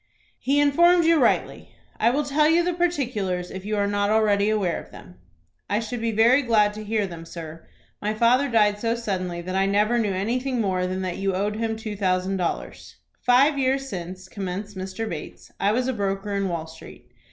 "He informed you rightly. I will tell you the particulars, if you are not already aware of them." "I should be very glad to hear them, sir. My father died so suddenly that I never knew anything more than that you owed him two thousand dollars." "Five years since," commenced Mr. Bates, "I was a broker in Wall Street.